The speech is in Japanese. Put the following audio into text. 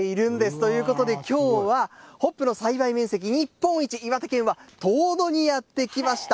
ということで、きょうは、ホップの栽培面積日本一、岩手県は遠野にやって来ました。